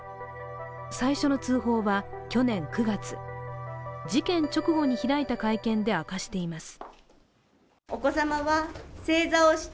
最初の通報は去年９月事件直後に開いた会見で明かしています。